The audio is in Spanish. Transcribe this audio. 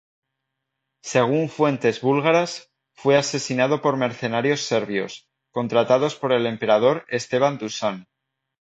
Según fuentes búlgaras, fue asesinado por mercenarios serbios, contratados por el emperador Esteban Dušan.